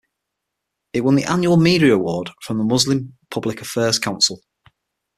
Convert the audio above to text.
It won the annual Media Award from the Muslim Public Affairs Council.